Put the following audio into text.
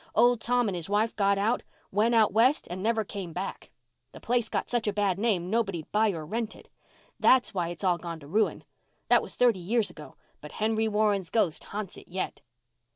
Old Tom and his wife got out—went out West and never came back. The place got such a bad name nobody'd buy or rent it. That's why it's all gone to ruin. That was thirty years ago, but Henry Warren's ghost ha'nts it yet."